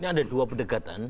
ini ada dua pendekatan